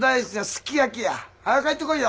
早帰ってこいよ。